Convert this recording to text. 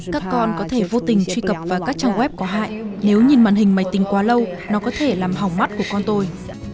các con có thể vô tình truy cập vào các trang web có hại nếu nhìn màn hình máy tính quá lâu nó có thể làm hỏng mắt của con tôi